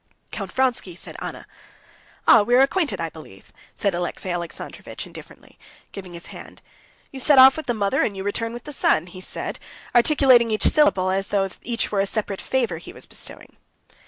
"Count Vronsky," said Anna. "Ah! We are acquainted, I believe," said Alexey Alexandrovitch indifferently, giving his hand. "You set off with the mother and you return with the son," he said, articulating each syllable, as though each were a separate favor he was bestowing.